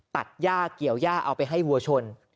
ตัดย่าเกี่ยวย่าเอาไปให้วัวชน